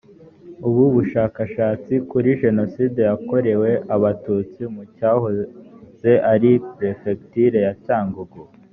ubu bushakashatsi kuri jenoside yakorewe abatutsi mu cyahoze ari perefegitura ya cyangugu